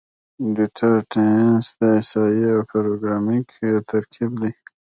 ډیټا سایننس د احصایې او پروګرامینګ ترکیب دی.